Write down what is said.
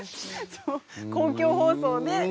そう公共放送で。